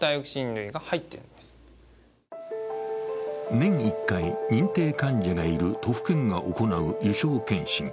年１回、認定患者がいる都府県が行う油症検診。